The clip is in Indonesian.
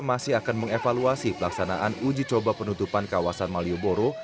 masih akan mengevaluasi pelaksanaan uji coba penutupan kawasan malioboro